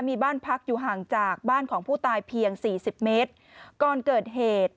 มีบ้านพักอยู่ห่างจากบ้านของผู้ตายเพียงสี่สิบเมตรก่อนเกิดเหตุ